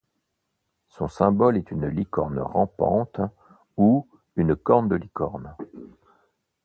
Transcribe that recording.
Son symbole est une licorne rampante ou une corne de licorne.